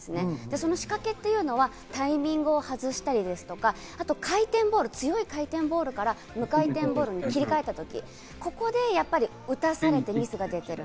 その仕掛けというのはタイミングを外したり、回転ボール、強い回転ボールから向回転ボールに切り替えた時、ここで打たされてミスが出ている。